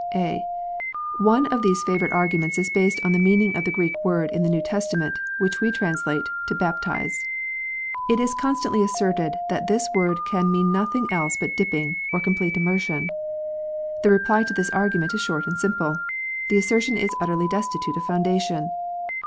(a) One of these favourite arguments is based on the meaning of the Greek word in the New Testament, which we translate " to baptize." It is constantly asserted that this word can mean nothing else but dipping, or complete " immersion." The reply to this argument is short and simple. The assertion is utterly destitute of foundation.